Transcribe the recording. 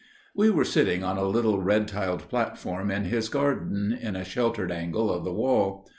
We were sitting on a little red tiled platform in his garden, in a sheltered angle of the wall.